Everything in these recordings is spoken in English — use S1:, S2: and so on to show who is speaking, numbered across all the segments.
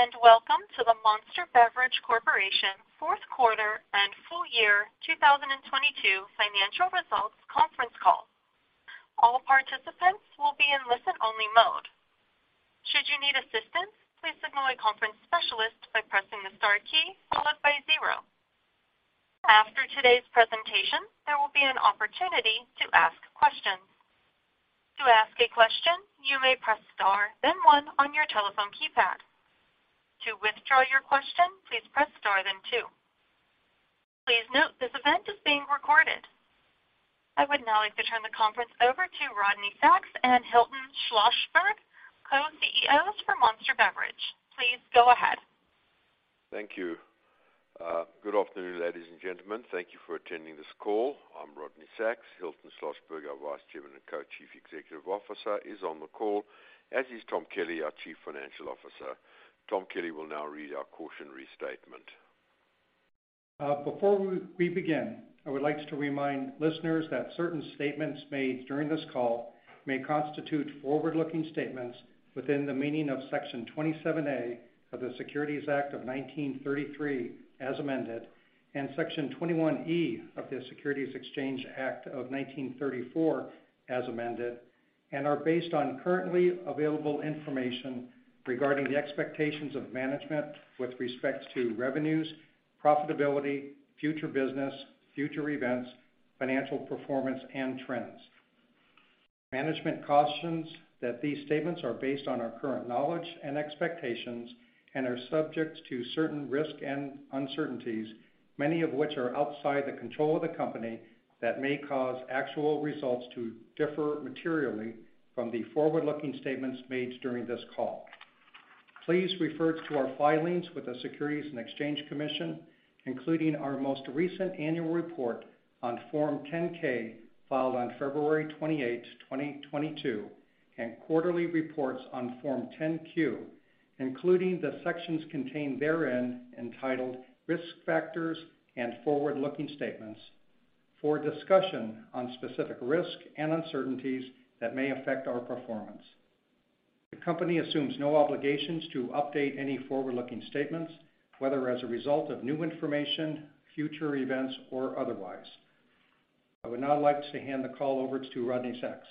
S1: Good afternoon, and welcome to the Monster Beverage Corporation Fourth Quarter and Full Year 2022 Financial Results Conference Call. All participants will be in listen-only mode. Should you need assistance, please signal a conference specialist by pressing the star key followed by zero. After today's presentation, there will be an opportunity to ask questions. To ask a question, you may press star then one on your telephone keypad. To withdraw your question, please press star then two. Please note this event is being recorded. I would now like to turn the conference over to Rodney Sacks and Hilton Schlosberg, Co-CEOs for Monster Beverage. Please go ahead.
S2: Thank you. Good afternoon, ladies and gentlemen. Thank you for attending this call. I'm Rodney Sacks. Hilton Schlosberg, our Vice Chairman and Co-Chief Executive Officer, is on the call, as is Thomas Kelly, our Chief Financial Officer. Thomas Kelly will now read our cautionary statement.
S3: Before we begin, I would like to remind listeners that certain statements made during this call may constitute forward-looking statements within the meaning of Section 27A of the Securities Act of 1933 as amended, and Section 21E of the Securities Exchange Act of 1934 as amended, and are based on currently available information regarding the expectations of management with respect to revenues, profitability, future business, future events, financial performance and trends. Management cautions that these statements are based on our current knowledge and expectations and are subject to certain risk and uncertainties, many of which are outside the control of the company, that may cause actual results to differ materially from the forward-looking statements made during this call. Please refer to our filings with the Securities and Exchange Commission, including our most recent annual report on Form 10-K filed on February 28, 2022, and quarterly reports on Form 10-Q, including the sections contained therein, entitled Risk Factors and Forward-Looking Statements, for a discussion on specific risk and uncertainties that may affect our performance. The company assumes no obligations to update any forward-looking statements, whether as a result of new information, future events or otherwise. I would now like to hand the call over to Rodney Sacks.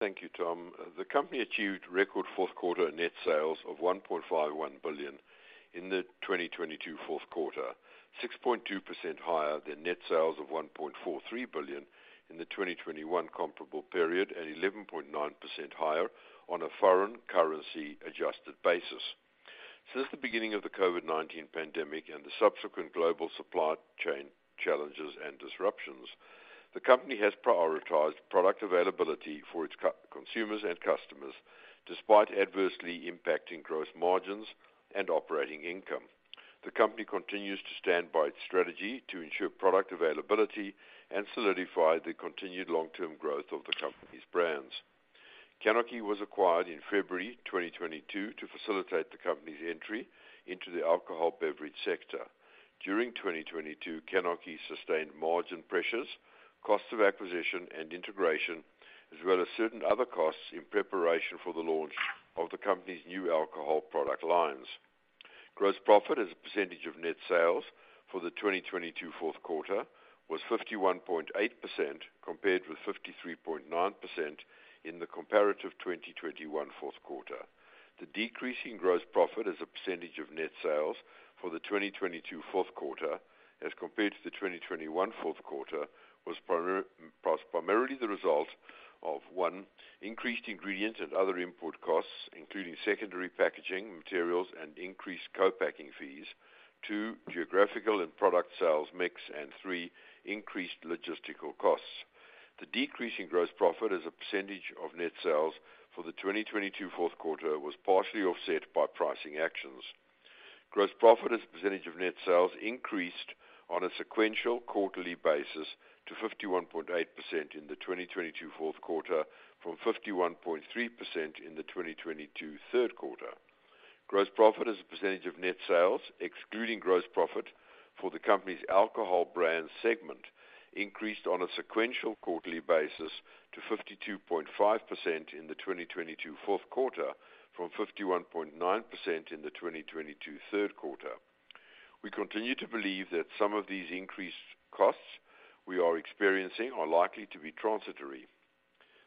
S2: Thank you, Tom. The company achieved record fourth quarter net sales of $1.51 billion in the 2022 fourth quarter, 6.2% higher than net sales of $1.43 billion in the 2021 comparable period, and 11.9% higher on a foreign currency adjusted basis. Since the beginning of the COVID-19 pandemic and the subsequent global supply chain challenges and disruptions, the company has prioritized product availability for its consumers and customers, despite adversely impacting gross margins and operating income. The company continues to stand by its strategy to ensure product availability and solidify the continued long-term growth of the company's brands. CANarchy was acquired in February 2022 to facilitate the company's entry into the alcohol beverage sector. During 2022, CANarchy sustained margin pressures, cost of acquisition and integration, as well as certain other costs in preparation for the launch of the company's new alcohol product lines. Gross profit as a percentage of net sales for the 2022 fourth quarter was 51.8%, compared with 53.9% in the comparative 2021 fourth quarter. The decrease in gross profit as a percentage of net sales for the 2022 fourth quarter as compared to the 2021 fourth quarter was primarily the result of, 1, increased ingredient and other input costs, including secondary packaging materials and increased co-packing fees. 2, geographical and product sales mix. 3, increased logistical costs. The decrease in gross profit as a percentage of net sales for the 2022 fourth quarter was partially offset by pricing actions. Gross profit as a percentage of net sales increased on a sequential quarterly basis to 51.8% in the 2022 fourth quarter from 51.3% in the 2022 third quarter. Gross profit as a percentage of net sales, excluding gross profit for the company's alcohol brand segment, increased on a sequential quarterly basis to 52.5% in the 2022 fourth quarter from 51.9% in the 2022 third quarter. We continue to believe that some of these increased costs we are experiencing are likely to be transitory.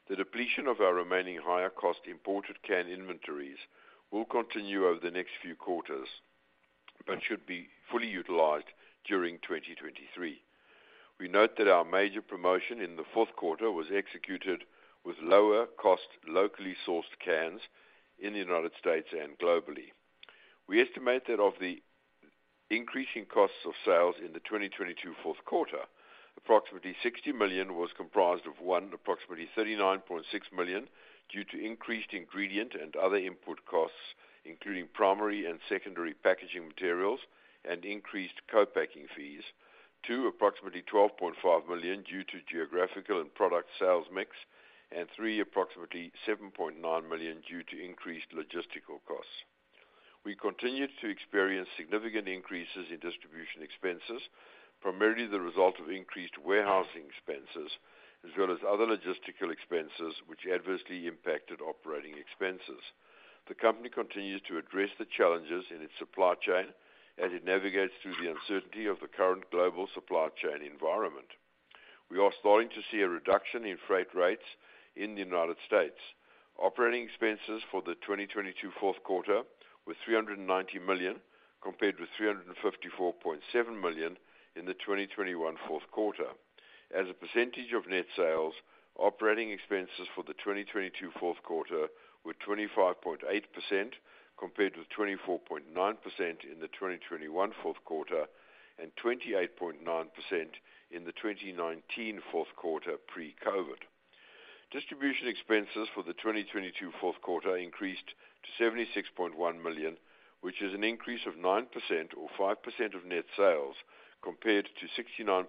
S2: The depletion of our remaining higher cost imported can inventories will continue over the next few quarters, but should be fully utilized during 2023. We note that our major promotion in the fourth quarter was executed with lower cost, locally sourced cans in the United States and globally. We estimate that of the increasing costs of sales in the 2022 fourth quarter, approximately $60 million was comprised of, 1, approximately $39.6 million due to increased ingredient and other input costs, including primary and secondary packaging materials and increased co-packing fees. 2, approximately $12.5 million due to geographical and product sales mix. 3, approximately $7.9 million due to increased logistical costs. We continued to experience significant increases in distribution expenses, primarily the result of increased warehousing expenses as well as other logistical expenses which adversely impacted operating expenses. The company continues to address the challenges in its supply chain as it navigates through the uncertainty of the current global supply chain environment. We are starting to see a reduction in freight rates in the United States. Operating expenses for the 2022 fourth quarter were $390 million, compared with $354.7 million in the 2021 fourth quarter. As a percentage of net sales, operating expenses for the 2022 fourth quarter were 25.8%, compared with 24.9% in the 2021 fourth quarter and 28.9% in the 2019 fourth quarter pre-COVID. Distribution expenses for the 2022 fourth quarter increased to $76.1 million, which is an increase of 9% or 5% of net sales, compared to $69.8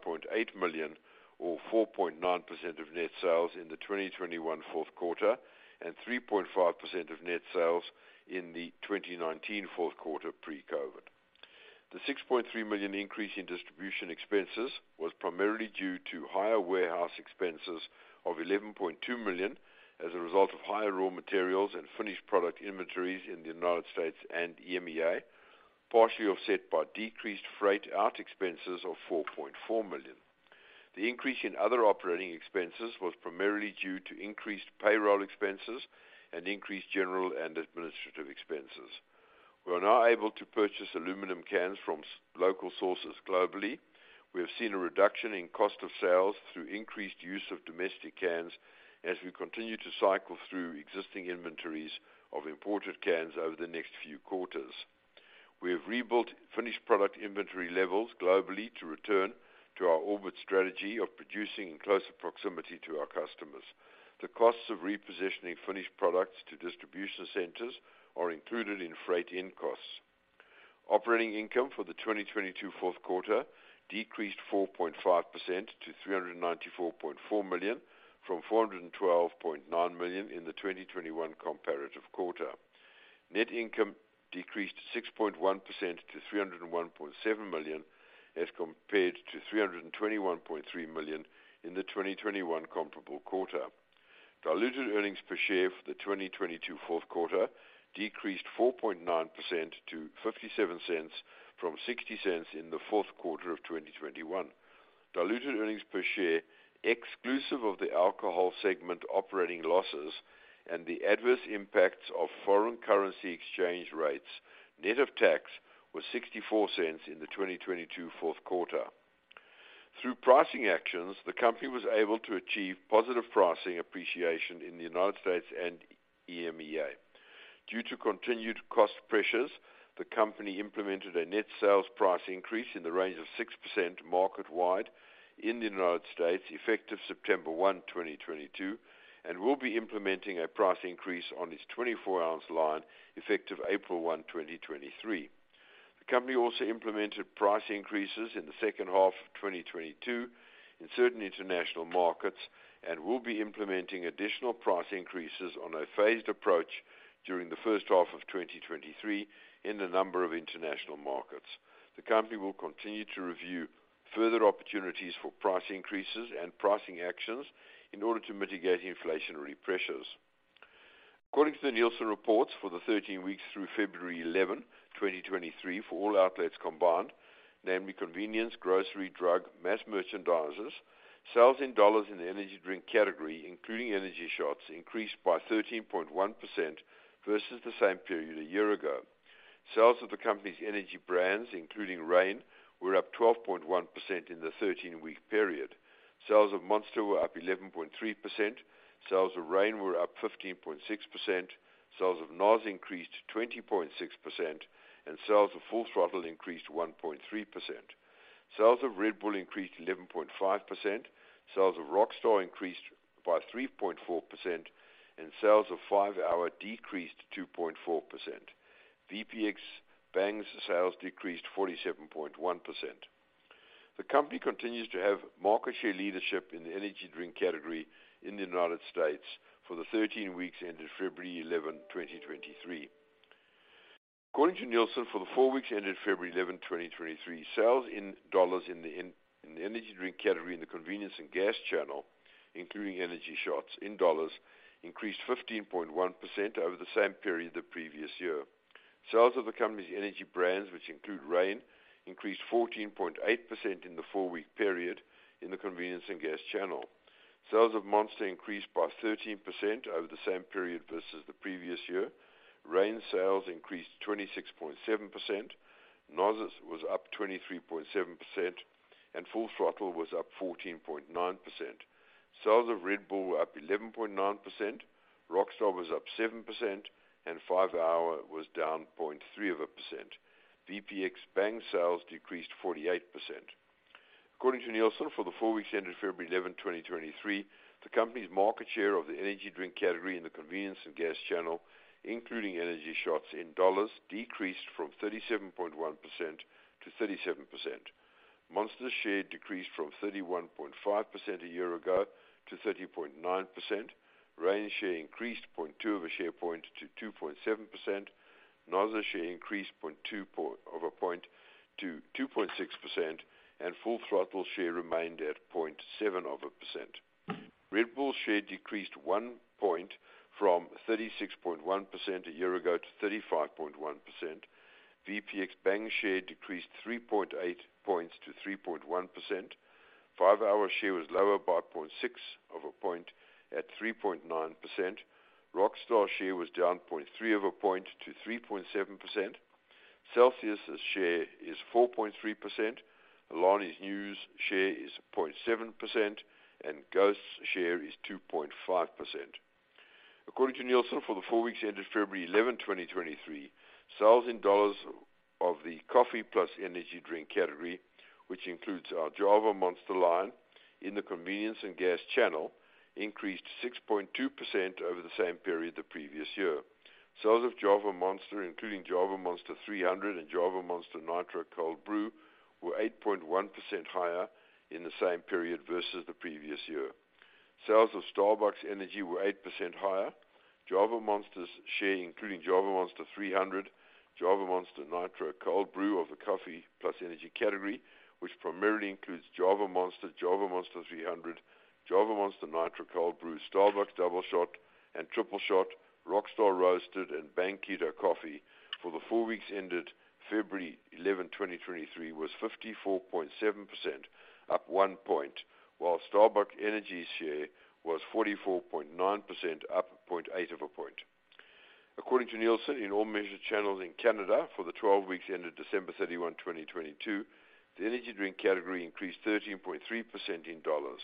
S2: million or 4.9% of net sales in the 2021 fourth quarter and 3.5% of net sales in the 2019 fourth quarter pre-COVID. The $6.3 million increase in distribution expenses was primarily due to higher warehouse expenses of $11.2 million as a result of higher raw materials and finished product inventories in the United States and EMEA, partially offset by decreased freight out expenses of $4.4 million. The increase in other operating expenses was primarily due to increased payroll expenses and increased general and administrative expenses. We are now able to purchase aluminum cans from local sources globally. We have seen a reduction in cost of sales through increased use of domestic cans as we continue to cycle through existing inventories of imported cans over the next few quarters. We have rebuilt finished product inventory levels globally to return to our orbit strategy of producing in closer proximity to our customers. The costs of repositioning finished products to distribution centers are included in freight end costs. Operating income for the 2022 fourth quarter decreased 4.5% to $394.4 million from $412.9 million in the 2021 comparative quarter. Net income decreased 6.1% to $301.7 million as compared to $321.3 million in the 2021 comparable quarter. Diluted earnings per share for the 2022 fourth quarter decreased 4.9% to $0.57 from $0.60 in the fourth quarter of 2021. Diluted earnings per share exclusive of the alcohol segment operating losses and the adverse impacts of foreign currency exchange rates, net of tax was $0.64 in the 2022 fourth quarter. Through pricing actions, the company was able to achieve positive pricing appreciation in the United States and EMEA. Due to continued cost pressures, the company implemented a net sales price increase in the range of 6% market wide in the United States effective September 1, 2022, and will be implementing a price increase on its 24 ounce line effective April 1, 2023. The company also implemented price increases in the second half of 2022 in certain international markets and will be implementing additional price increases on a phased approach during the first half of 2023 in a number of international markets. The company will continue to review further opportunities for price increases and pricing actions in order to mitigate inflationary pressures. According to the Nielsen reports for the 13 weeks through February 11, 2023 for all outlets combined, namely convenience, grocery, drug, mass merchandisers, sales in dollars in the energy drink category, including energy shots, increased by 13.1% versus the same period a year ago. Sales of the company's energy brands, including Reign, were up 12.1% in the 13-week period. Sales of Monster were up 11.3%. Sales of Reign were up 15.6%. Sales of NOS increased 20.6%, and sales of Full Throttle increased 1.3%. Sales of Red Bull increased 11.5%. Sales of Rockstar increased by 3.4%, and sales of 5-Hour decreased 2.4%. VPX Bang's sales decreased 47.1%. The company continues to have market share leadership in the energy drink category in the United States for the 13 weeks ended February 11, 2023. According to Nielsen, for the 4 weeks ended February 11, 2023, sales in dollars in the energy drink category in the convenience and gas channel, including energy shots in dollars, increased 15.1% over the same period the previous year. Sales of the company's energy brands, which include Reign, increased 14.8% in the 4-week period in the convenience and gas channel. Sales of Monster increased by 13% over the same period versus the previous year. Reign sales increased 26.7%. NOS was up 23.7%, and Full Throttle was up 14.9%. Sales of Red Bull were up 11.9%.Rockstar was up 7%, and 5-Hour was down 0.3%. VPX Bang sales decreased 48%. According to Nielsen, for the 4 weeks ended February 11, 2023, the company's market share of the energy drink category in the convenience and gas channel, including energy shots in dollars, decreased from 37.1% to 37%. Monster's share decreased from 31.5% a year ago to 30.9%. Reign's share increased 0.2 of a share point to 2.7%. NOS's share increased 0.2 over point to 2.6%, and Full Throttle's share remained at 0.7%. Red Bull's share decreased 1 point from 36.1% a year ago to 35.1%. VPX Bang's share decreased 3.8 points to 3.1%. 5-hour's share was lower by 0.6 of a point at 3.9%. Rockstar's share was down 0.3 of a point to 3.7%. CELSIUS's share is 4.3%. Alani Nu's share is 0.7%, and GHOST's share is 2.5%. According to Nielsen, for the 4 weeks ended February 11, 2023, sales in dollars of the coffee plus energy drink category, which includes our Java Monster line in the convenience and gas channel, increased 6.2% over the same period the previous year. Sales of Java Monster, including Java Monster 300 and Java Monster Nitro Cold Brew, were 8.1% higher in the same period versus the previous year. Sales of Starbucks Energy were 8% higher. Java Monster's share, including Java Monster 300, Java Monster Nitro Cold Brew of the coffee plus energy category, which primarily includes Java Monster, Java Monster 300, Java Monster Nitro Cold Brew, Starbucks Doubleshot and Triple Shot, Rockstar Roasted, and Bang Keto Coffee for the 4 weeks ended February 11, 2023 was 54.7%, up 1 point, while Starbucks Energy's share was 44.9%, up 0.8 of a point. According to Nielsen, in all measured channels in Canada for the 12 weeks ended December 31, 2022, the energy drink category increased 13.3% in dollars.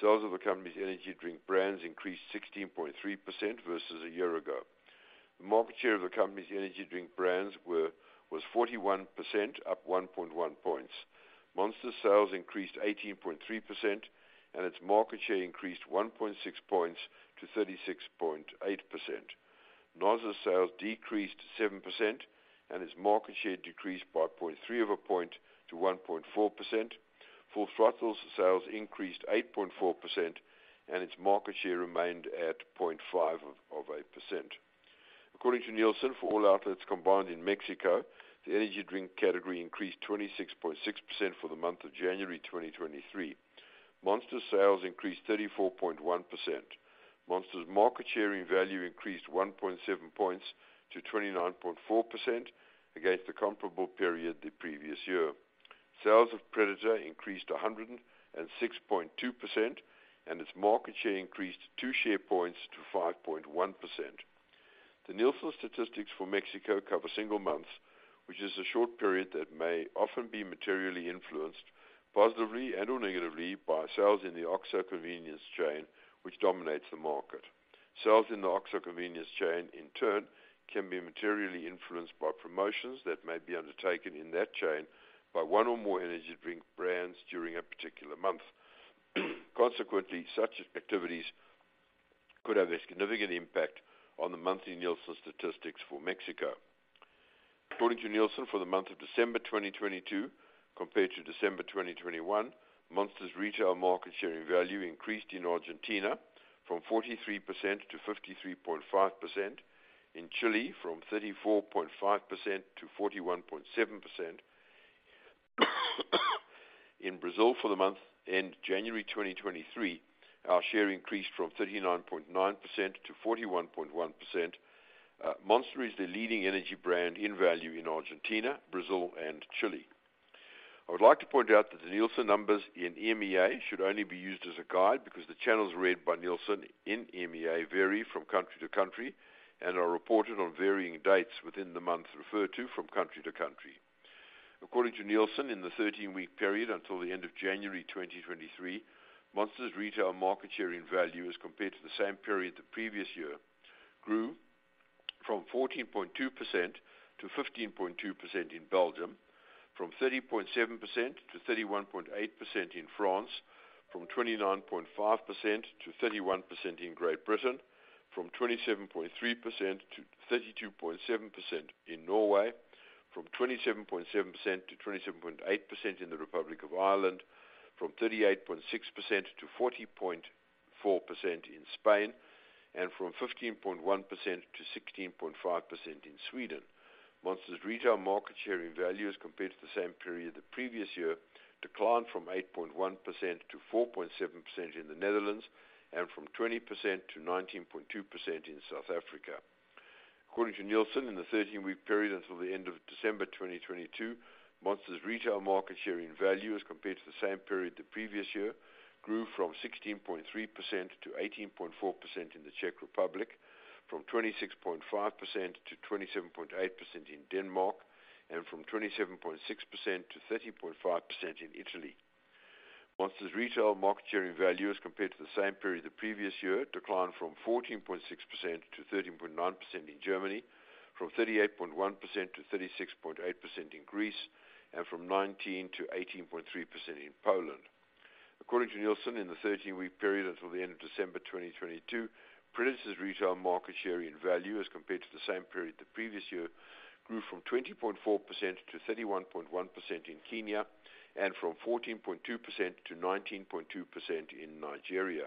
S2: Sales of the company's energy drink brands increased 16.3% versus a year ago. The market share of the company's energy drink brands was 41%, up 1.1 points. Monster's sales increased 18.3%, and its market share increased 1.6 points to 36.8%. Noza's sales decreased 7%, and its market share decreased by 0.3 of a point to 1.4%. Full Throttle's sales increased 8.4%, and its market share remained at 0.5 of a percent. According to Nielsen, for all outlets combined in Mexico, the energy drink category increased 26.6% for the month of January 2023. Monster's sales increased 34.1%. Monster's market share in value increased 1.7 points to 29.4% against the comparable period the previous year. Sales of Predator increased 106.2%, and its market share increased 2 share points to 5.1%. The Nielsen statistics for Mexico cover single months, which is a short period that may often be materially influenced positively and/or negatively by sales in the OXXO convenience chain, which dominates the market. Sales in the OXXO convenience chain, in turn, can be materially influenced by promotions that may be undertaken in that chain by one or more energy drink brands during a particular month. Consequently, such activities could have a significant impact on the monthly Nielsen statistics for Mexico. According to Nielsen, for the month of December 2022 compared to December 2021, Monster's retail market share in value increased in Argentina from 43% to 53.5%. In Chile, from 34.5% to 41.7%. In Brazil, for the month end January 2023, our share increased from 39.9% to 41.1%. Monster is the leading energy brand in value in Argentina, Brazil, and Chile. I would like to point out that the Nielsen numbers in EMEA should only be used as a guide because the channels read by Nielsen in EMEA vary from country to country and are reported on varying dates within the month referred to from country to country. According to Nielsen, in the 13-week period until the end of January 2023, Monster's retail market share in value as compared to the same period the previous year grew from 14.2% to 15.2% in Belgium, from 30.7% to 31.8% in France, from 29.5% to 31% in Great Britain, from 27.3% to 32.7% in Norway, from 27.7% to 27.8% in the Republic of Ireland, from 38.6% to 40.4% in Spain, and from 15.1% to 16.5% in Sweden. Monster's retail market share in value as compared to the same period the previous year declined from 8.1% to 4.7% in the Netherlands and from 20% to 19.2% in South Africa. According to Nielsen, in the 13-week period until the end of December 2022, Monster's retail market share in value as compared to the same period the previous year grew from 16.3% to 18.4% in the Czech Republic, from 26.5% to 27.8% in Denmark, and from 27.6% to 30.5% in Italy. Monster's retail market share in value as compared to the same period the previous year declined from 14.6% to 13.9% in Germany, from 38.1% to 36.8% in Greece, and from 19% to 18.3% in Poland. According to Nielsen, in the 13-week period until the end of December 2022, Predator's retail market share in value as compared to the same period the previous year grew from 20.4% to 31.1% in Kenya and from 14.2% to 19.2% in Nigeria.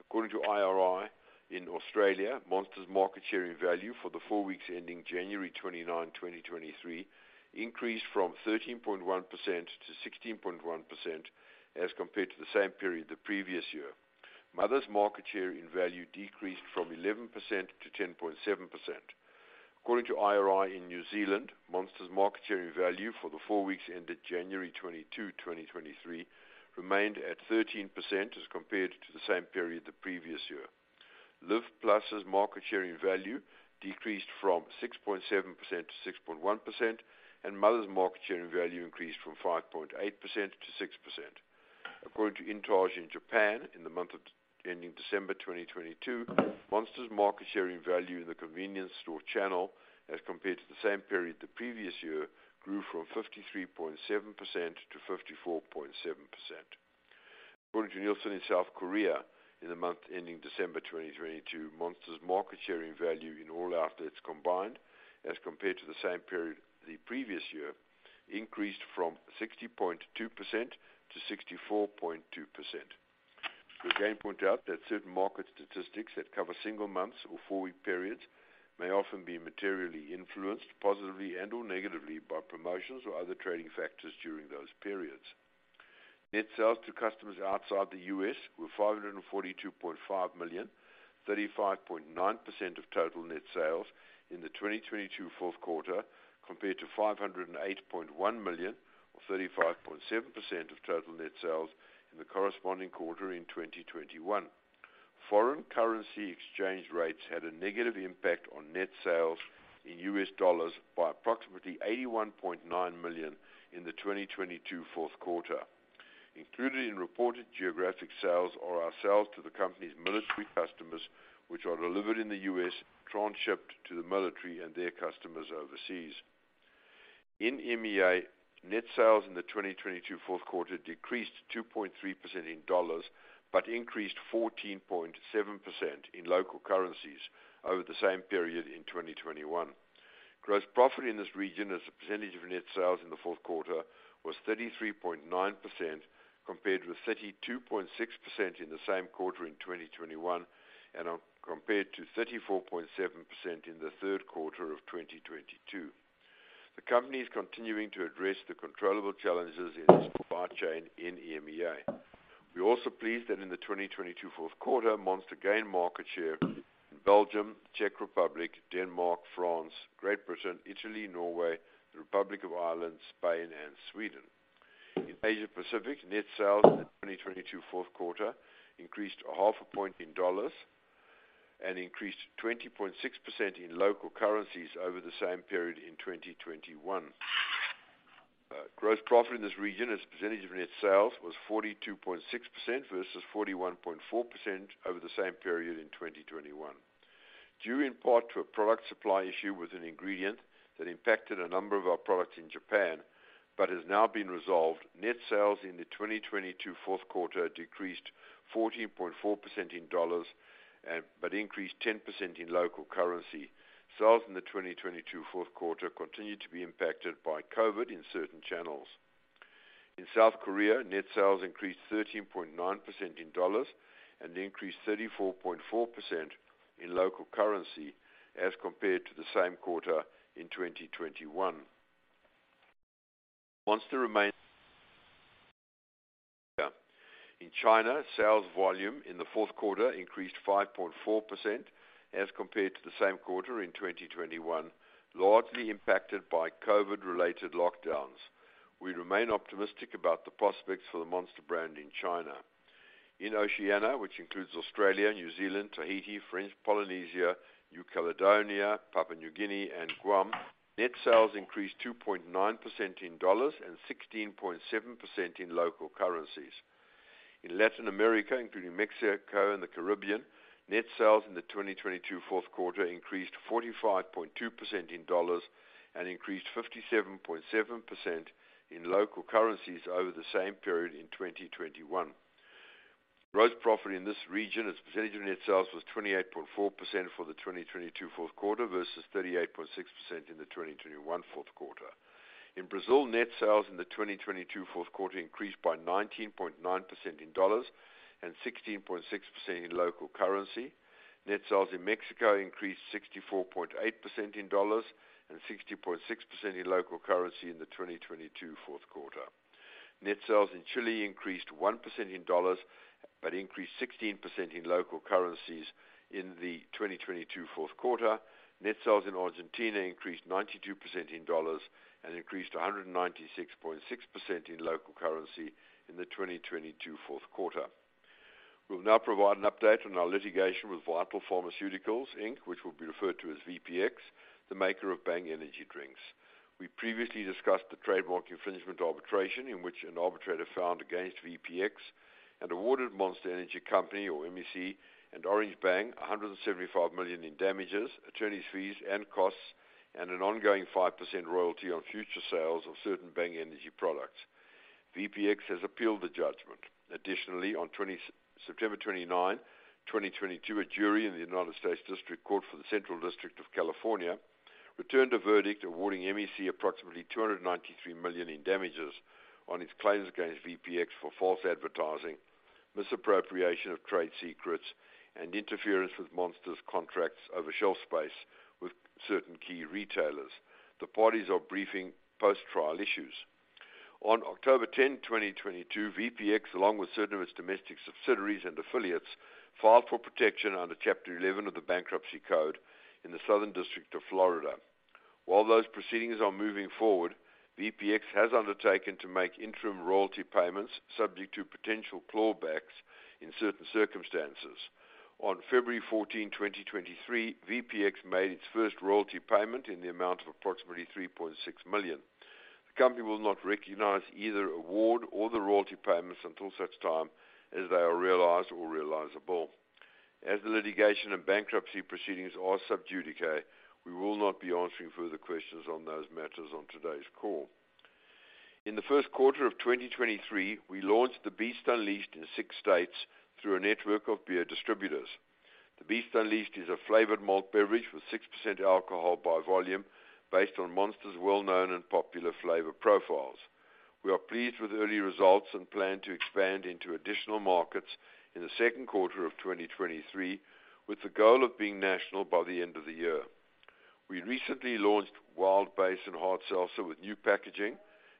S2: According to IRI in Australia, Monster's market share in value for the four weeks ending January 29, 2023 increased from 13.1% to 16.1% as compared to the same period the previous year. Mother's market share in value decreased from 11% to 10.7%. According to IRI in New Zealand, Monster's market share in value for the 4 weeks ended January 22, 2023 remained at 13% as compared to the same period the previous year. Live+'s market share in value decreased from 6.7% to 6.1%, and Mother's market share in value increased from 5.8% to 6%. According to Intage in Japan, in the month ending December 2022, Monster's market share in value in the convenience store channel as compared to the same period the previous year grew from 53.7% to 54.7%. According to Nielsen in South Korea, in the month ending December 2022, Monster's market share in value in all outlets combined, as compared to the same period the previous year, increased from 60.2% to 64.2%. We again point out that certain market statistics that cover single months or 4-week periods may often be materially influenced positively and/or negatively by promotions or other trading factors during those periods. Net sales to customers outside the U.S. were $542.5 million, 35.9% of total net sales in the 2022 fourth quarter, compared to $508.1 million or 35.7% of total net sales in the corresponding quarter in 2021. Foreign currency exchange rates had a negative impact on net sales in U.S. dollars by approximately $81.9 million in the 2022 fourth quarter. Included in reported geographic sales are our sales to the company's military customers, which are delivered in the U.S., transshipped to the military and their customers overseas. In EMEA, net sales in the 2022 fourth quarter decreased 2.3% in dollars but increased 14.7% in local currencies over the same period in 2021. Gross profit in this region as a percentage of net sales in the fourth quarter was 33.9%, compared with 32.6% in the same quarter in 2021 and compared to 34.7% in the third quarter of 2022. The company is continuing to address the controllable challenges in its supply chain in EMEA. We are also pleased that in the 2022 fourth quarter, Monster gained market share in Belgium, Czech Republic, Denmark, France, Great Britain, Italy, Norway, the Republic of Ireland, Spain, and Sweden. In Asia Pacific, net sales in the 2022 fourth quarter increased half a point in USD and increased 20.6% in local currencies over the same period in 2021. Gross profit in this region as a percentage of net sales was 42.6% versus 41.4% over the same period in 2021. Due in part to a product supply issue with an ingredient that impacted a number of our products in Japan but has now been resolved, net sales in the 2022 fourth quarter decreased 14.4% in USD, but increased 10% in local currency. Sales in the 2022 fourth quarter continued to be impacted by COVID in certain channels. In South Korea, net sales increased 13.9% in dollars and increased 34.4% in local currency as compared to the same quarter in 2021. Monster remains in China. Sales volume in the fourth quarter increased 5.4% as compared to the same quarter in 2021, largely impacted by COVID-related lockdowns. We remain optimistic about the prospects for the Monster brand in China. In Oceania, which includes Australia, New Zealand, Tahiti, French Polynesia, New Caledonia, Papua New Guinea, and Guam, net sales increased 2.9% in dollars and 16.7% in local currencies. In Latin America, including Mexico and the Caribbean, net sales in the 2022 fourth quarter increased 45.2% in $ and increased 57.7% in local currencies over the same period in 2021. Gross profit in this region as a percentage of net sales was 28.4% for the 2022 fourth quarter versus 38.6% in the 2021 fourth quarter. In Brazil, net sales in the 2022 fourth quarter increased by 19.9% in $ and 16.6% in local currency. Net sales in Mexico increased 64.8% in $ and 60.6% in local currency in the 2022 fourth quarter. Net sales in Chile increased 1% in $, but increased 16% in local currencies in the 2022 fourth quarter. Net sales in Argentina increased 92% in dollars and increased 196.6% in local currency in the 2022 fourth quarter. We will now provide an update on our litigation with Vital Pharmaceuticals, Inc., which will be referred to as VPX, the maker of Bang energy drinks. We previously discussed the trademark infringement arbitration in which an arbitrator found against VPX and awarded Monster Energy Company, or MEC, and Orange Bang $175 million in damages, attorney's fees, and costs. An ongoing 5% royalty on future sales of certain Bang Energy products. VPX has appealed the judgment. Additionally, on September 29, 2022, a jury in the United States District Court for the Central District of California returned a verdict awarding MEC approximately $293 million in damages on its claims against VPX for false advertising, misappropriation of trade secrets, and interference with Monster's contracts over shelf space with certain key retailers. The parties are briefing post-trial issues. On October 10, 2022, VPX, along with certain of its domestic subsidiaries and affiliates, filed for protection under Chapter 11 of the Bankruptcy Code in the Southern District of Florida. While those proceedings are moving forward, VPX has undertaken to make interim royalty payments subject to potential clawbacks in certain circumstances. On February 14, 2023, VPX made its first royalty payment in the amount of approximately $3.6 million. The company will not recognize either award or the royalty payments until such time as they are realized or realizable. As the litigation and bankruptcy proceedings are sub judice, we will not be answering further questions on those matters on today's call. In the first quarter of 2023, we launched The Beast Unleashed in six states through a network of beer distributors. The Beast Unleashed is a flavored malt beverage with 6% alcohol by volume based on Monster's well-known and popular flavor profiles. We are pleased with early results and plan to expand into additional markets in the second quarter of 2023, with the goal of being national by the end of the year. We recently launched Wild Basin and hard seltzer with new packaging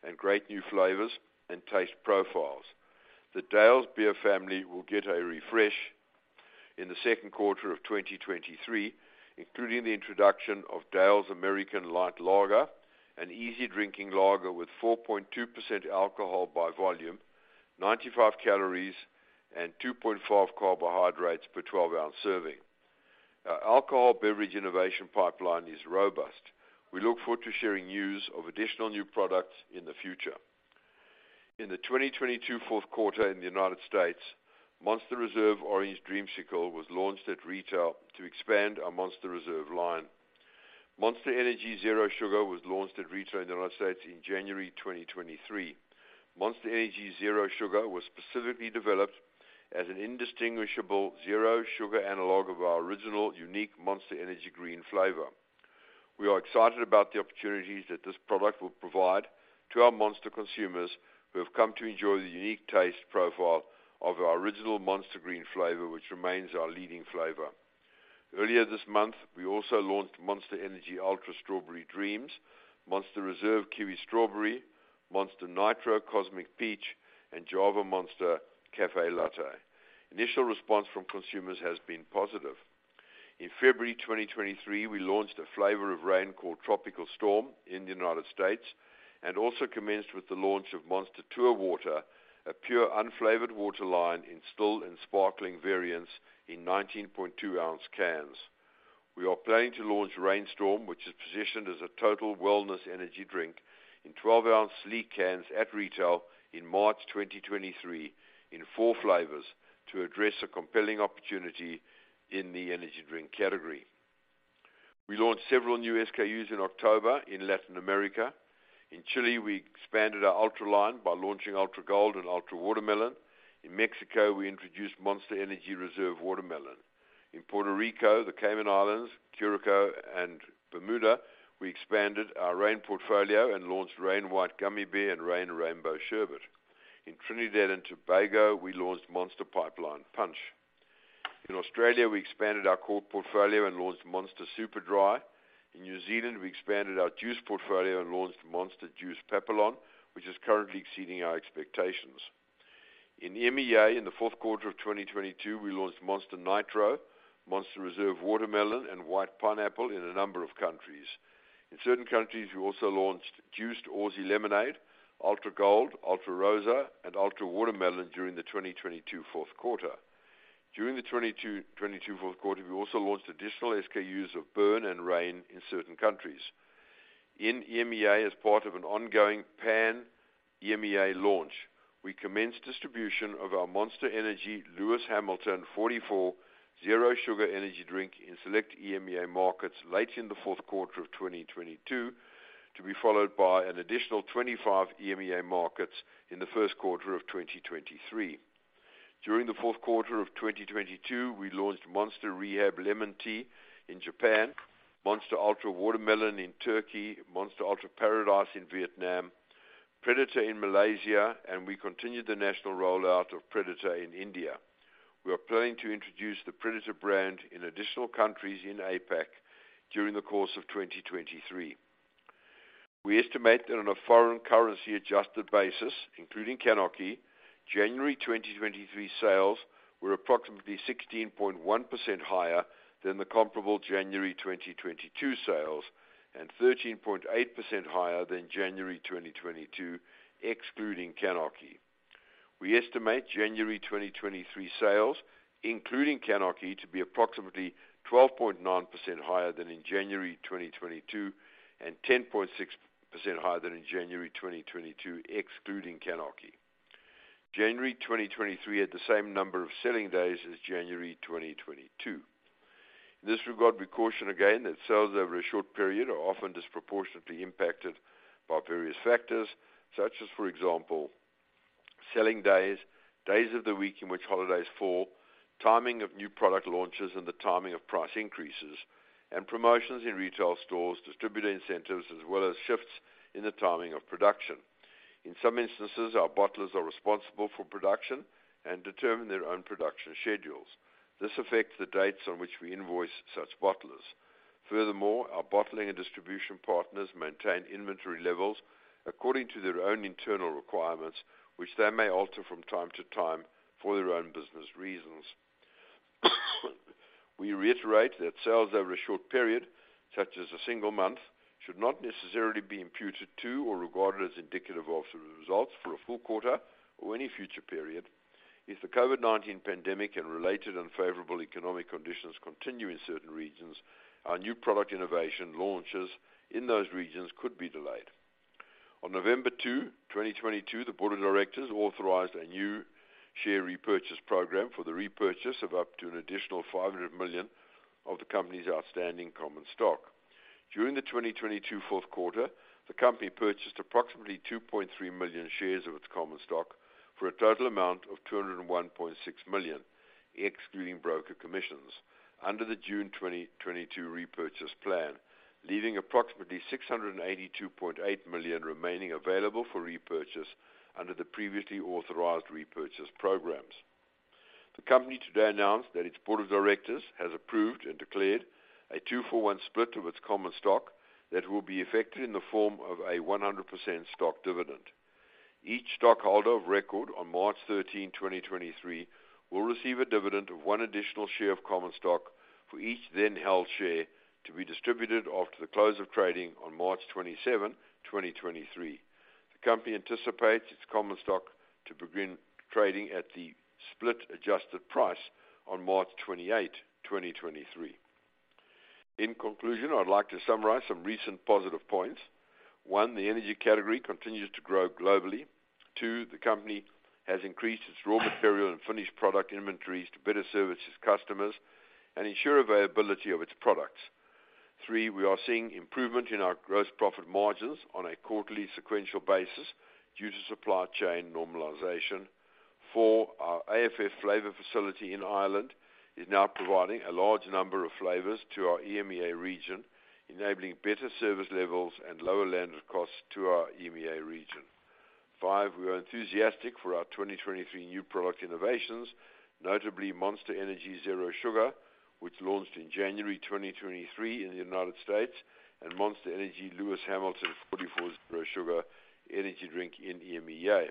S2: and great new flavors and taste profiles. The Dale's beer family will get a refresh in the second quarter of 2023, including the introduction of Dale's American Light Lager, an easy drinking lager with 4.2% alcohol by volume, 95 calories, and 2.5 carbohydrates per 12-ounce serving. Our alcohol beverage innovation pipeline is robust. We look forward to sharing news of additional new products in the future. In the 2022 fourth quarter in the United States, Monster Reserve Orange Dreamsicle was launched at retail to expand our Monster Reserve line. Monster Energy Zero Sugar was launched at retail in the United States in January 2023. Monster Energy Zero Sugar was specifically developed as an indistinguishable zero sugar analog of our original unique Monster Energy Green flavor. We are excited about the opportunities that this product will provide to our Monster consumers who have come to enjoy the unique taste profile of our original Monster Green flavor, which remains our leading flavor. Earlier this month, we also launched Monster Energy Ultra Strawberry Dreams, Monster Reserve Kiwi Strawberry, Monster Nitro Cosmic Peach, and Java Monster Café Latte. Initial response from consumers has been positive. In February 2023, we launched a flavor of Reign called Tropical Storm in the United States and also commenced with the launch of Monster Tour Water, a pure, unflavored water line in still and sparkling variants in 19.2-ounce cans. We are planning to launch Reign Storm, which is positioned as a total wellness energy drink, in 12-ounce sleek cans at retail in March 2023 in four flavors to address a compelling opportunity in the energy drink category. We launched several new SKUs in October in Latin America. In Chile, we expanded our Ultra line by launching Ultra Gold and Ultra Watermelon. In Mexico, we introduced Monster Energy Reserve Watermelon. In Puerto Rico, the Cayman Islands, Curacao and Bermuda, we expanded our Reign portfolio and launched Reign White Gummy Bear and Reignbow Sherbet. In Trinidad and Tobago, we launched Monster Pipeline Punch. In Australia, we expanded our core portfolio and launched Monster Super Dry. In New Zealand, we expanded our juice portfolio and launched Monster Juice Papillon, which is currently exceeding our expectations. In EMEA, in the fourth quarter of 2022, we launched Monster Nitro, Monster Reserve Watermelon, and White Pineapple in a number of countries. In certain countries, we also launched Juiced Aussie Lemonade, Ultra Gold, Ultra Rosá, and Ultra Watermelon during the 2022 fourth quarter. During the 22 fourth quarter, we also launched additional SKUs of Burn and Reign in certain countries. In EMEA, as part of an ongoing pan-EMEA launch, we commenced distribution of our Monster Energy Lewis Hamilton 44 Zero Sugar energy drink in select EMEA markets late in the fourth quarter of 2022, to be followed by an additional 25 EMEA markets in the first quarter of 2023. During the fourth quarter of 2022, we launched Monster Rehab Lemonade Tea in Japan, Monster Ultra Watermelon in Turkey, Monster Ultra Paradise in Vietnam, Predator in Malaysia, and we continued the national rollout of Predator in India. We are planning to introduce the Predator brand in additional countries in APAC during the course of 2023. We estimate that on a foreign currency adjusted basis, including CANarchy, January 2023 sales were approximately 16.1% higher than the comparable January 2022 sales and 13.8% higher than January 2022, excluding CANarchy. We estimate January 2023 sales, including CANarchy, to be approximately 12.9% higher than in January 2022 and 10.6% higher than in January 2022, excluding CANarchy. January 2023 had the same number of selling days as January 2022. In this regard, we caution again that sales over a short period are often disproportionately impacted by various factors such as, for example, selling days of the week in which holidays fall, timing of new product launches, and the timing of price increases and promotions in retail stores, distributor incentives, as well as shifts in the timing of production. In some instances, our bottlers are responsible for production and determine their own production schedules. This affects the dates on which we invoice such bottlers. Furthermore, our bottling and distribution partners maintain inventory levels according to their own internal requirements, which they may alter from time to time for their own business reasons. We reiterate that sales over a short period, such as a single month, should not necessarily be imputed to or regarded as indicative of the results for a full quarter or any future period. If the COVID-19 pandemic and related unfavorable economic conditions continue in certain regions, our new product innovation launches in those regions could be delayed. On November 2, 2022, the board of directors authorized a new share repurchase program for the repurchase of up to an additional $500 million of the company's outstanding common stock. During the 2022 fourth quarter, the company purchased approximately 2.3 million shares of its common stock for a total amount of $201.6 million, excluding broker commissions, under the June 2022 repurchase plan, leaving approximately $682.8 million remaining available for repurchase under the previously authorized repurchase programs. The company today announced that its board of directors has approved and declared a 2-for-1 split of its common stock that will be effected in the form of a 100% stock dividend. Each stockholder of record on March 13, 2023, will receive a dividend of one additional share of common stock for each then held share to be distributed after the close of trading on March 27, 2023. The company anticipates its common stock to begin trading at the split adjusted price on March 28, 2023. In conclusion, I'd like to summarize some recent positive points. One, the energy category continues to grow globally. Two, the company has increased its raw material and finished product inventories to better service its customers and ensure availability of its products. Three, we are seeing improvement in our gross profit margins on a quarterly sequential basis due to supply chain normalization. Four, our AFF flavor facility in Ireland is now providing a large number of flavors to our EMEA region, enabling better service levels and lower landed costs to our EMEA region. Five, we are enthusiastic for our 2023 new product innovations, notably Monster Energy Zero Sugar, which launched in January 2023 in the United States, and Monster Energy Lewis Hamilton 44 Zero Sugar energy drink in EMEA.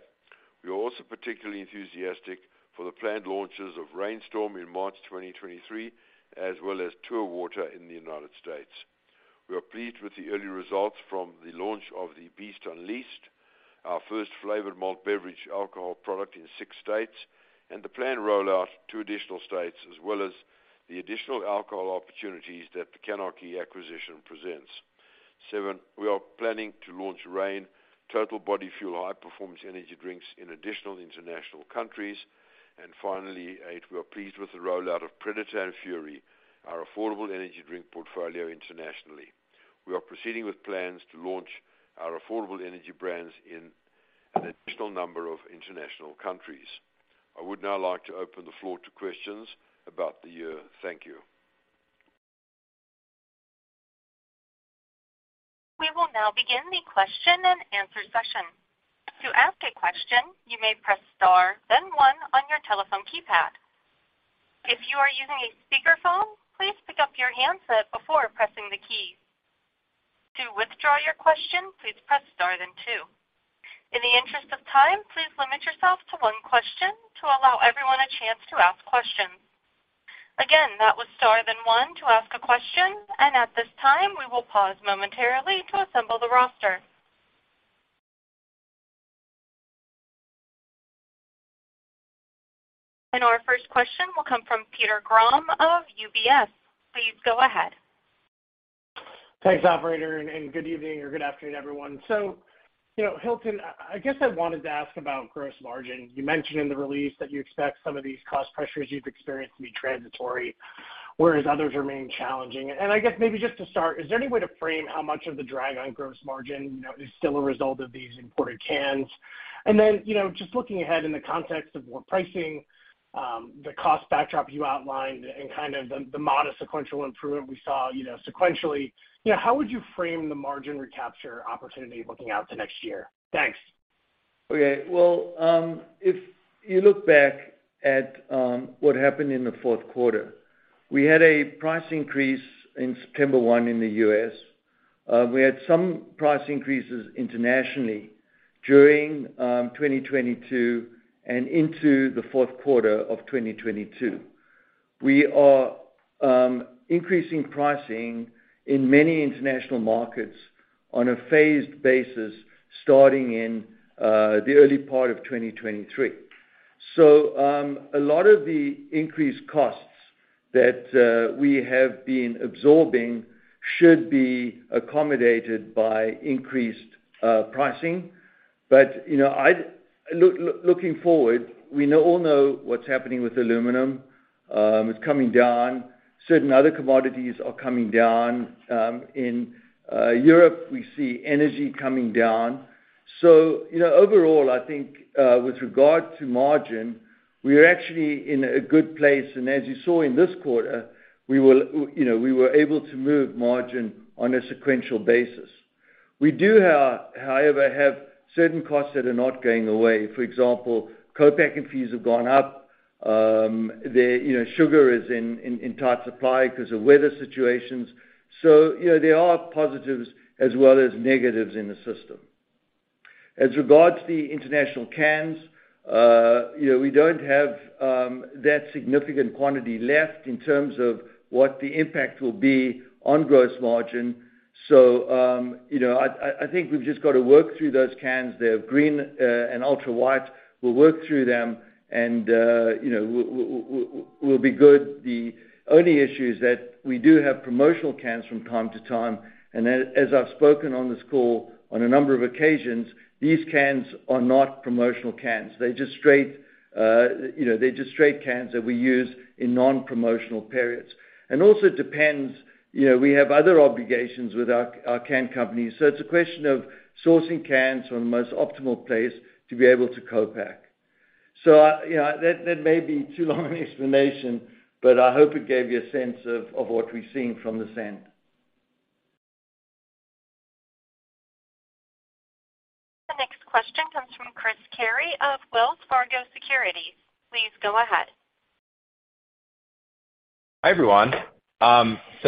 S2: We are also particularly enthusiastic for the planned launches of Reign Storm in March 2023, as well as Tour Water in the United States. We are pleased with the early results from the launch of The Beast Unleashed, our first flavored malt beverage alcohol product in 6 states, and the planned rollout to additional states, as well as the additional alcohol opportunities that the CANarchy acquisition presents. 7, we are planning to launch Reign Total Body Fuel high-performance energy drinks in additional international countries. Finally, 8, we are pleased with the rollout of Predator and Fury, our affordable energy drink portfolio internationally. We are proceeding with plans to launch our affordable energy brands in an additional number of international countries. I would now like to open the floor to questions about the year. Thank you.
S1: We will now begin the question and answer session. To ask a question, you may press star then 1 on your telephone keypad. If you are using a speakerphone, please pick up your handset before pressing the key. To withdraw your question, please press star then 2. In the interest of time, please limit yourself to 1 question to allow everyone a chance to ask questions. Again, that was star then 1 to ask a question. At this time, we will pause momentarily to assemble the roster. Our first question will come from Peter Grom of UBS. Please go ahead.
S4: Thanks, operator, good evening or good afternoon, everyone. You know, Hilton, I guess I wanted to ask about gross margin. You mentioned in the release that you expect some of these cost pressures you've experienced to be transitory, whereas others remain challenging. I guess maybe just to start, is there any way to frame how much of the drag on gross margin, you know, is still a result of these imported cans? You know, just looking ahead in the context of more pricing, the cost backdrop you outlined and kind of the modest sequential improvement we saw, you know, sequentially. You know, how would you frame the margin recapture opportunity looking out to next year? Thanks.
S5: Well, if you look back at what happened in the fourth quarter, we had a price increase in September 1 in the U.S. We had some price increases internationally during 2022 and into the fourth quarter of 2022. We are increasing pricing in many international markets on a phased basis starting in the early part of 2023. A lot of the increased costs that we have been absorbing should be accommodated by increased pricing. You know, looking forward, we all know what's happening with aluminum. It's coming down. Certain other commodities are coming down. In Europe, we see energy coming down. You know, overall, I think, with regard to margin, we are actually in a good place. As you saw in this quarter, you know, we were able to move margin on a sequential basis. We do, however, have certain costs that are not going away. For example, co-packing fees have gone up. The, you know, sugar is in tight supply because of weather situations. You know, there are positives as well as negatives in the system. As regards to the international cans, you know, we don't have that significant quantity left in terms of what the impact will be on gross margin. You know, I think we've just got to work through those cans. They have green and ultra white. We'll work through them and you know, we'll be good. The only issue is that we do have promotional cans from time to time. As I've spoken on this call on a number of occasions, these cans are not promotional cans. They're just straight, you know, they're just straight cans that we use in non-promotional periods. Also depends, you know, we have other obligations with our can companies. It's a question of sourcing cans from the most optimal place to be able to co-pack. You know, that may be too long an explanation, but I hope it gave you a sense of what we're seeing from this end.
S1: The next question comes from Chris Carey of Wells Fargo Securities. Please go ahead.
S6: Hi, everyone.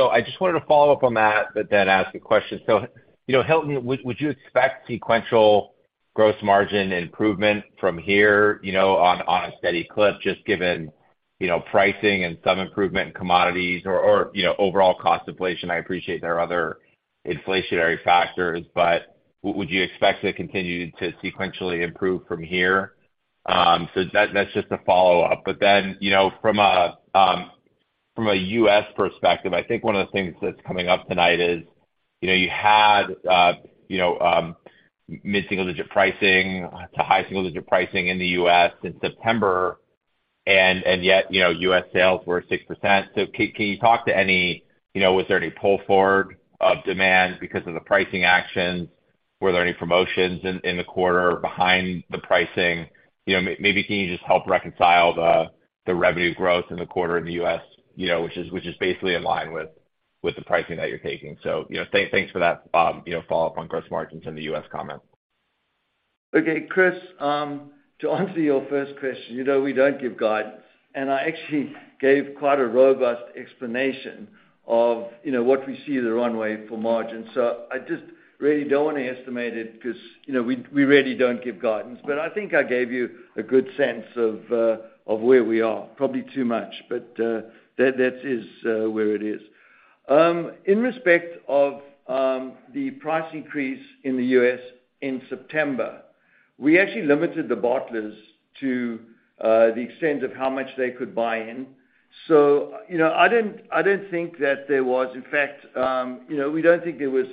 S6: I just wanted to follow up on that, but then ask a question. You know, Hilton, would you expect sequential gross margin improvement from here, you know, on a steady clip, just given, you know, pricing and some improvement in commodities or, you know, overall cost inflation? I appreciate there are other inflationary factors, but would you expect to continue to sequentially improve from here? That's just a follow-up. You know, from a U.S. perspective, I think one of the things that's coming up tonight is, you know, you had, you know, mid-single digit pricing to high single digit pricing in the U.S. in September, and yet, you know, U.S. sales were 6%. Can you talk to any, you know, was there any pull forward of demand because of the pricing actions? Were there any promotions in the quarter behind the pricing? You know, maybe can you just help reconcile the revenue growth in the quarter in the U.S., you know, which is basically in line with the pricing that you're taking. You know, thanks for that, you know, follow-up on gross margins in the U.S. comment.
S5: Okay, Chris, to answer your first question, you know, we don't give guidance, and I actually gave quite a robust explanation of, you know, what we see the runway for margin. I just really don't want to estimate it because, you know, we really don't give guidance. I think I gave you a good sense of where we are, probably too much. That is where it is. In respect of the price increase in the U.S. in September, we actually limited the bottlers to the extent of how much they could buy in. You know, I don't think that there was, in fact, you know, we don't think there was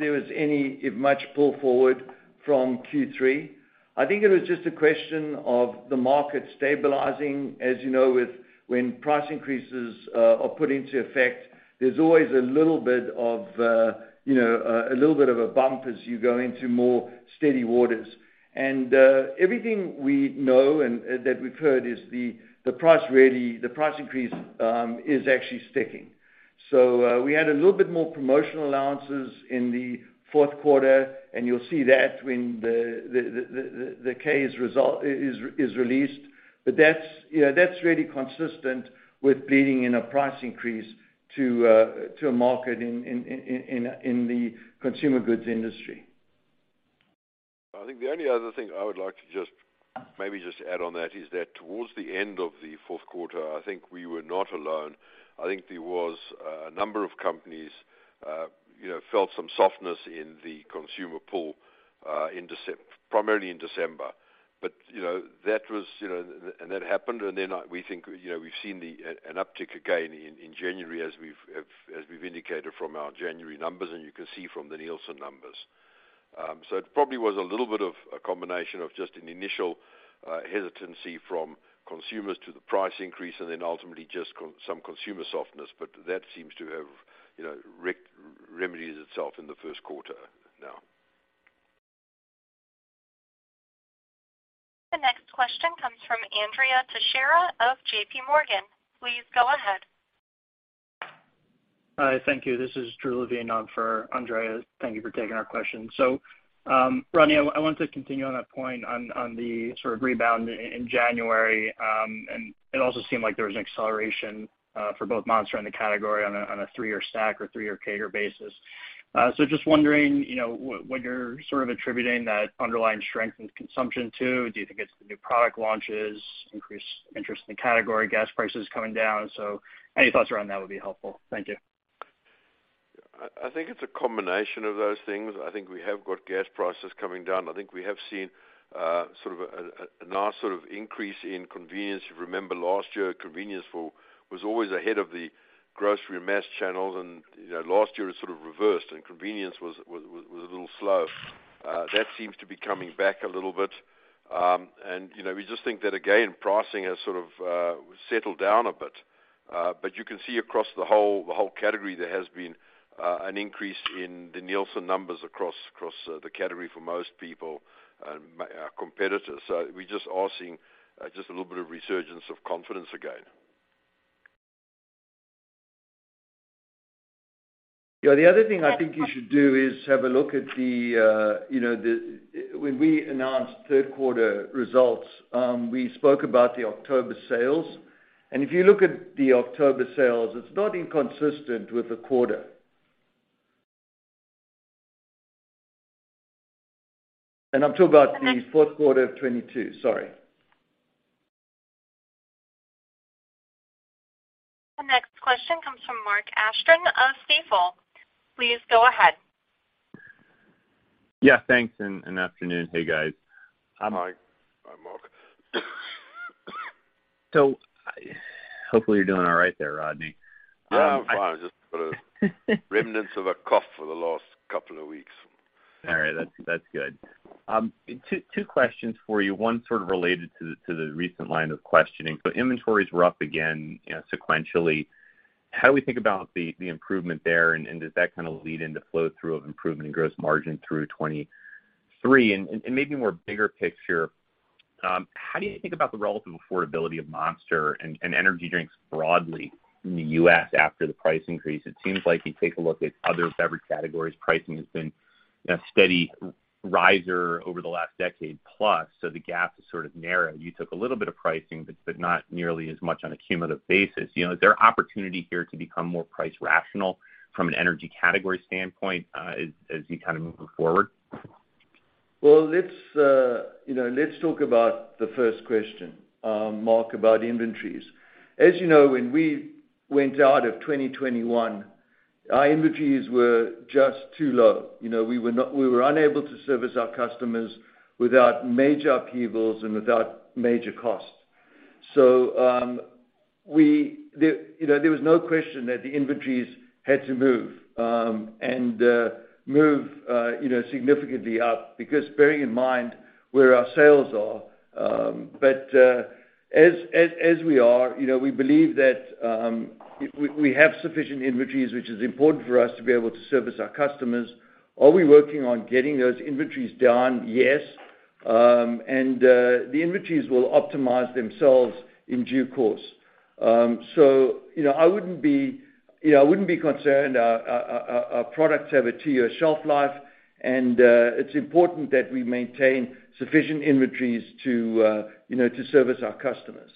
S5: any, if much, pull forward from Q3. I think it was just a question of the market stabilizing. As you know, with when price increases are put into effect, there's always a little bit of, you know, a little bit of a bump as you go into more steady waters. Everything we know and that we've heard is the price really, the price increase is actually sticking. We had a little bit more promotional allowances in the fourth quarter, and you'll see that when the 10-K result is released. That's, you know, that's really consistent with bringing in a price increase to a market in the consumer goods industry.
S1: The next question comes from Andrea Teixeira of J.P. Morgan. Please go ahead.
S7: Hi. Thank you. This is Drew Levin on for Andrea. Thank you for taking our question. Rodney, I want to continue on that point on the sort of rebound in January. It also seemed like there was an acceleration for both Monster and the category on a three-year stack or three-year CAGR basis. Just wondering, you know, what you're sort of attributing that underlying strength and consumption to. Do you think it's the new product launches, increased interest in the category, gas prices coming down? Any thoughts around that would be helpful. Thank you.
S2: I think it's a combination of those things. I think we have got gas prices coming down. I think we have seen a nice sort of increase in convenience. Remember last year, convenience was always ahead of the grocery and mass channels, and, you know, last year it sort of reversed and convenience was a little slow. That seems to be coming back a little bit. you know, we just think that again, pricing has sort of settled down a bit. You can see across the whole, the whole category, there has been an increase in the Nielsen numbers across the category for most people and competitors. We just are seeing just a little bit of resurgence of confidence again. Yeah. The other thing I think you should do is have a look at the, you know, When we announced 3rd quarter results, we spoke about the October sales. If you look at the October sales, it's not inconsistent with the quarter. I'm talking about the 4th quarter of 2022. Sorry.
S1: The next question comes from Mark Astrachan of Stifel. Please go ahead.
S8: Yeah, thanks, and afternoon. Hey, guys.
S2: Hi. Hi, Mark.
S8: Hopefully you're doing all right there, Rodney.
S2: Yeah, I'm fine. Just got a remnant of a cough for the last couple of weeks.
S8: All right. That's good. Two questions for you. One sort of related to the recent line of questioning. Inventories were up again, you know, sequentially. How do we think about the improvement there, and does that kinda lead into flow through of improvement in gross margin through 2023? Maybe more bigger picture, how do you think about the relative affordability of Monster and energy drinks broadly in the U.S. after the price increase? It seems like you take a look at other beverage categories, pricing has been a steady riser over the last decade plus, so the gap is sort of narrow. You took a little bit of pricing, but not nearly as much on a cumulative basis. You know, is there opportunity here to become more price rational from an energy category standpoint, as you're kinda moving forward?
S5: Well, let's, you know, let's talk about the first question, Mark, about inventories. As you know, when we went out of 2021, our inventories were just too low. You know, we were unable to service our customers without major upheavals and without major costs. We, you know, there was no question that the inventories had to move, and move, you know, significantly up because bearing in mind where our sales are. As we are, you know, we believe that we have sufficient inventories, which is important for us to be able to service our customers. Are we working on getting those inventories down? Yes. The inventories will optimize themselves in due course. You know, I wouldn't be, you know, I wouldn't be concerned. Our products have a 2-year shelf life, it's important that we maintain sufficient inventories to, you know, to service our customers.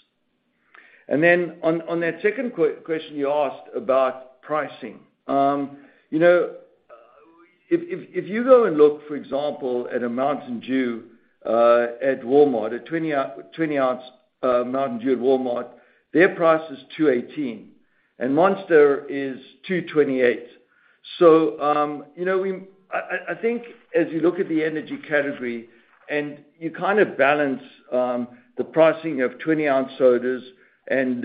S5: Then on that second question you asked about pricing. You know, if you go and look, for example, at a Mountain Dew at Walmart, a 20-ounce Mountain Dew at Walmart, their price is $2.18, and Monster is $2.28. You know, I think as you look at the energy category and you kind of balance the pricing of 20-ounce sodas and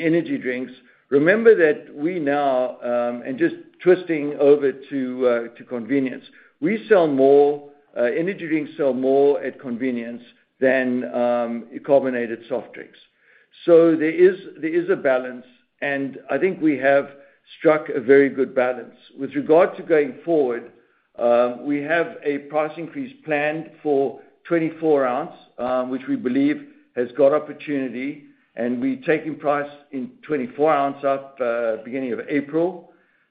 S5: energy drinks, remember that we now, and just twisting over to convenience, we sell more, energy drinks sell more at convenience than carbonated soft drinks. There is a balance, and I think we have struck a very good balance. With regard to going forward, we have a price increase planned for 24 ounce, which we believe has got opportunity, and we're taking price in 24 ounce up, beginning of April.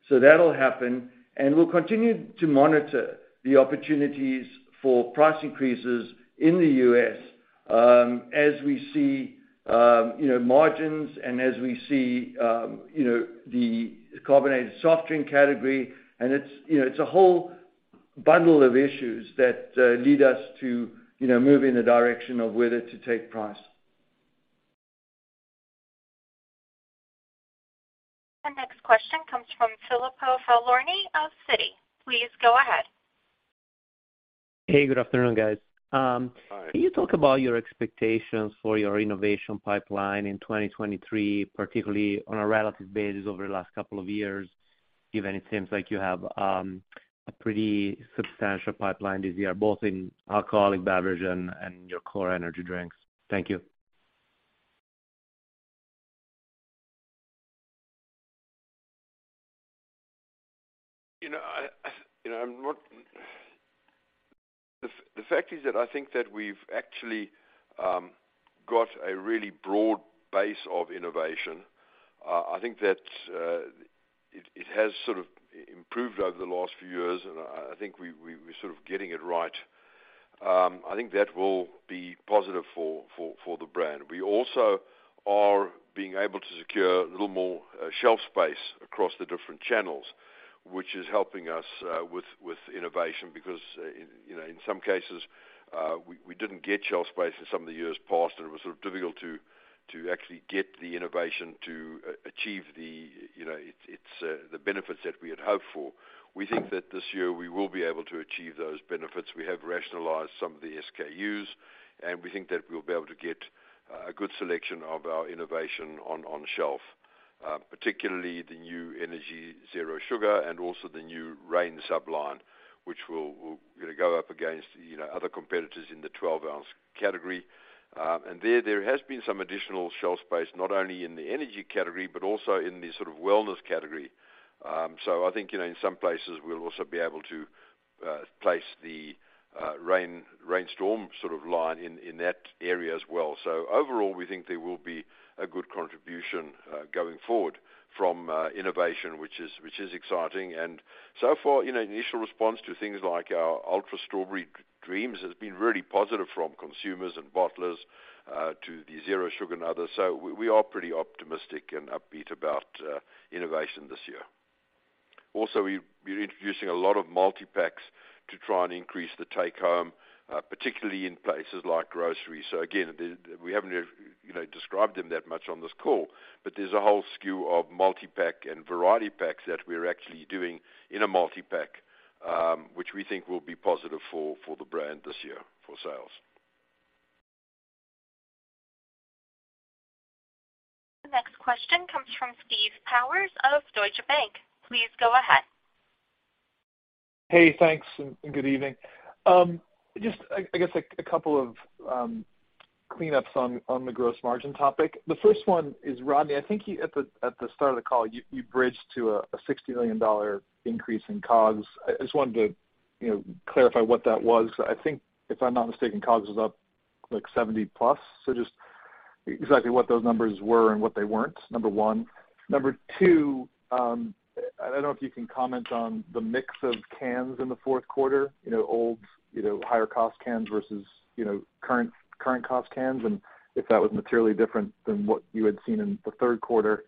S5: That'll happen, and we'll continue to monitor the opportunities for price increases in the U.S., as we see, you know, margins and as we see, you know, the carbonated soft drink category. It's, you know, it's a whole bundle of issues that lead us to, you know, move in a direction of whether to take price.
S1: The next question comes from Filippo Falorni of Citi. Please go ahead.
S9: Hey, good afternoon, guys.
S2: Hi.
S9: Can you talk about your expectations for your innovation pipeline in 2023, particularly on a relative basis over the last couple of years? Given it seems like you have a pretty substantial pipeline this year, both in alcoholic beverage and your core energy drinks. Thank you.
S2: You know, I. You know, the fact is that I think that we've actually got a really broad base of innovation. I think that it has sort of improved over the last few years, and I think we're sort of getting it right. I think that will be positive for the brand. We also are being able to secure a little more shelf space across the different channels, which is helping us with innovation because, you know, in some cases, we didn't get shelf space in some of the years past, and it was sort of difficult to actually get the innovation to achieve the, you know, it's the benefits that we had hoped for. We think that this year we will be able to achieve those benefits. We have rationalized some of the SKUs. We think that we'll be able to get a good selection of our innovation on shelf, particularly the new Energy Zero Sugar and also the new Reign sub-line, which will, you know, go up against, you know, other competitors in the 12-ounce category. There has been some additional shelf space, not only in the Energy category but also in the sort of wellness category. I think, you know, in some places we'll also be able to place the Reign Storm sort of line in that area as well. Overall, we think there will be a good contribution going forward from innovation, which is exciting. So far, you know, initial response to things like our Ultra Strawberry Dreams has been really positive from consumers and bottlers to the Zero Sugar and others. We are pretty optimistic and upbeat about innovation this year. We've been introducing a lot of multipacks to try and increase the take-home, particularly in places like grocery. Again, we haven't, you know, described them that much on this call, but there's a whole SKU of multipack and variety packs that we're actually doing in a multipack, which we think will be positive for the brand this year for sales.
S1: The next question comes from Steve Powers of Deutsche Bank. Please go ahead.
S10: Thanks, and good evening. just I guess like a couple of cleanups on the gross margin topic. The first one is Rodney, I think you at the start of the call, you bridged to a $60 million increase in COGS. I just wanted to, you know, clarify what that was. I think if I'm not mistaken, COGS was up like 70+. Just exactly what those numbers were and what they weren't, number one. Number two, I don't know if you can comment on the mix of cans in the fourth quarter, you know, old, higher cost cans versus, you know, current cost cans, and if that was materially different than what you had seen in the third quarter.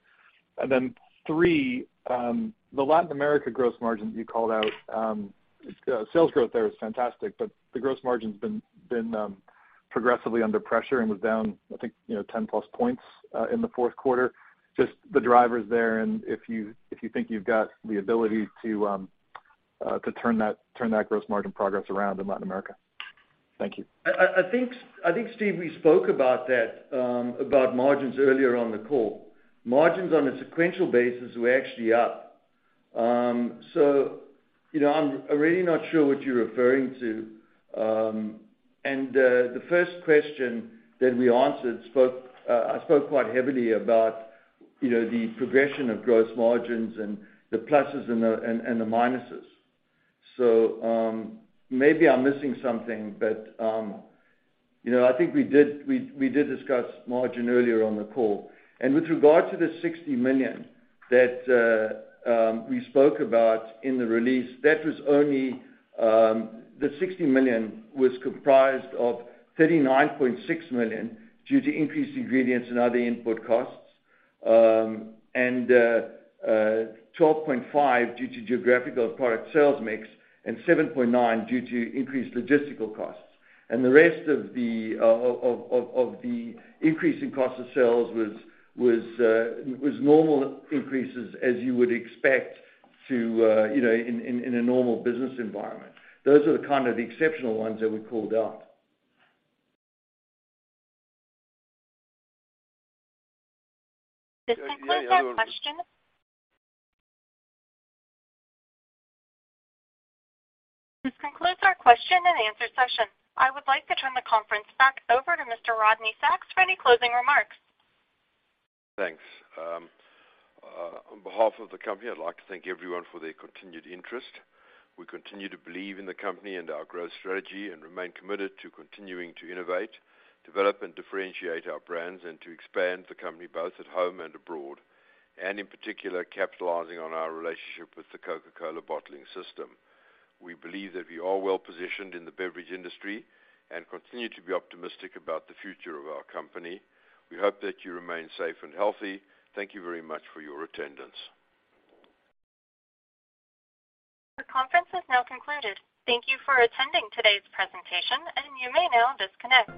S10: Three, the Latin America gross margin you called out, sales growth there was fantastic, but the gross margins been progressively under pressure and was down, I think, you know, 10+ points in the fourth quarter. Just the drivers there and if you, if you think you've got the ability to turn that gross margin progress around in Latin America. Thank you.
S5: I think, Steve, we spoke about that about margins earlier on the call. Margins on a sequential basis were actually up. You know, I'm really not sure what you're referring to. The first question that we answered, I spoke quite heavily about, you know, the progression of gross margins and the pluses and the minuses. Maybe I'm missing something. You know, I think we did discuss margin earlier on the call. With regard to the $60 million that we spoke about in the release, that was only, the $60 million was comprised of $39.6 million due to increased ingredients and other input costs, and $12.5 million due to geographical product sales mix, and $7 million due to increased logistical costs. The rest of the increase in cost of sales was normal increases as you would expect to, you know, in a normal business environment. Those are the kind of the exceptional ones that we called out.
S1: This concludes our question-.
S2: Yeah, I
S1: This concludes our question-and-answer session. I would like to turn the conference back over to Mr. Rodney Sacks for any closing remarks.
S2: Thanks. On behalf of the company, I'd like to thank everyone for their continued interest. We continue to believe in the company and our growth strategy and remain committed to continuing to innovate, develop and differentiate our brands, and to expand the company both at home and abroad, and in particular, capitalizing on our relationship with the Coca-Cola bottling system. We believe that we are well positioned in the beverage industry and continue to be optimistic about the future of our company. We hope that you remain safe and healthy. Thank you very much for your attendance.
S1: The conference has now concluded. Thank you for attending today's presentation, and you may now disconnect.